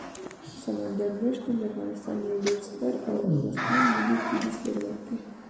سمندر نه شتون د افغانستان یو ډېر ستر او ارزښتمن ملي طبعي ثروت دی.